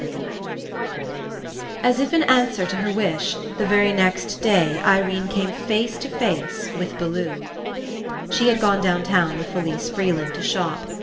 i8i THREE As IF In answer to her wish, the very next day Irene came face to face with Bellew. She had gone downtown with Fellse Freeland to shop.